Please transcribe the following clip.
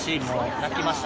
泣きました。